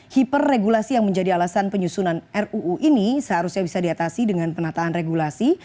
hiperregulasi yang menjadi alasan penyusunan ruu ini seharusnya bisa diatasi dengan penataan regulasi